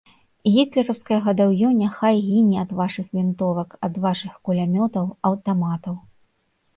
Гітлераўскае гадаўё няхай гіне ад вашых вінтовак, ад вашых кулямётаў, аўтаматаў!